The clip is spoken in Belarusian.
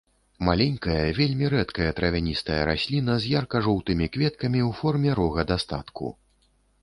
Маленькая, вельмі рэдкая травяністая расліна з ярка-жоўтымі кветкамі ў форме рога дастатку.